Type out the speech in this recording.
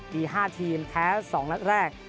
มี๕ทีมแพ้๒นัดแรก